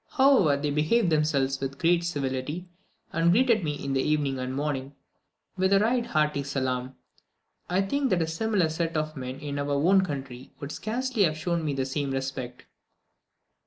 However, they behaved themselves with the greatest civility, and greeted me in the evening and morning with a right hearty salaam. I think that a similar set of men in our own country would scarcely have shown me the same respect.